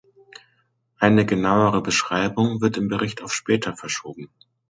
Eine genauere Beschreibung wird im Bericht auf später verschoben.